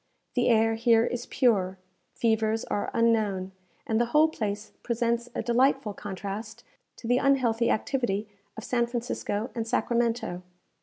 The air here is pure, fevers are unknown, and the whole place presents a delightful contrast to the unhealthy activity of San Francisco and Sacramento.